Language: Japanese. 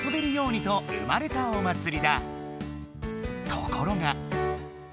ところが。